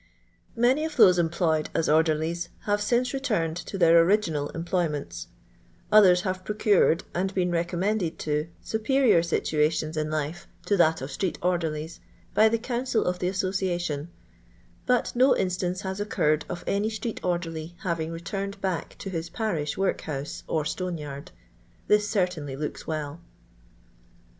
Many of tbose employed as orderlies hare since returned to their original employments; othen have procured, and been recommended to, ioperior situations in life to that of stree^ orderlies, by the Council of the Association, but no ifutance hat occurred qf any street orderly having returned haei to his parish vorkhousc or tUmeyard" This certainly looks well.